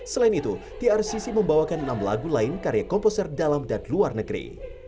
selain itu trcc membawakan enam lagu lain karya komposer dalam dan luar negeri